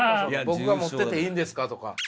「僕が思ってていいんですか」とか。